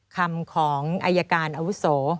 คำของอายการอาวุโส